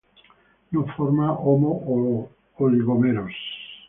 No forma homo-oligómeros.